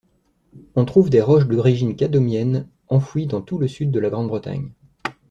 On trouve des roches d'origine cadomienne enfouies dans tout le sud de la Grande-Bretagne.